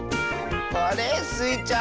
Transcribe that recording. あれ？スイちゃん。